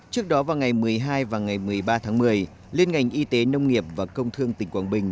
trước đó vào ngày một mươi hai và ngày một mươi ba tháng một mươi liên ngành y tế nông nghiệp và công thương tỉnh quảng bình